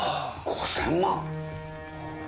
５０００万！？